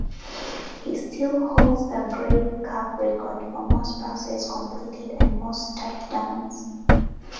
He still holds the Grey Cup record for most passes completed and most touchdowns.